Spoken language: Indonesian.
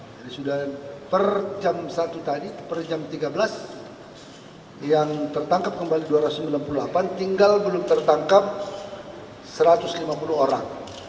jadi sudah per jam satu tadi per jam tiga belas yang tertangkap kembali dua ratus sembilan puluh delapan tinggal belum tertangkap satu ratus lima puluh orang